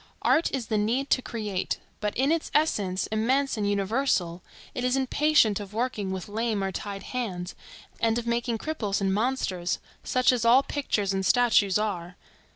Art is the need to create; but in its essence, immense and universal, it is impatient of working with lame or tied hands, and of making cripples and monsters, such as all pictures and statues are.